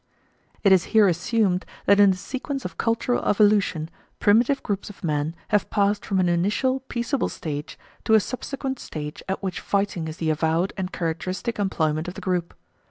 It is here assumed that in the sequence of cultural evolution primitive groups of men have passed from an initial peaceable stage to a subsequent stage at which fighting is the avowed and characteristic employment of the group.